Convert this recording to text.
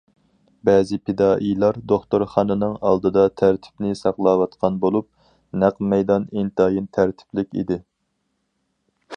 بەزى پىدائىيلار دوختۇرخانىنىڭ ئالدىدا تەرتىپنى ساقلاۋاتقان بولۇپ، نەق مەيدان ئىنتايىن تەرتىپلىك ئىدى.